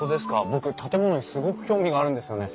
僕建物にすごく興味があるんですよね。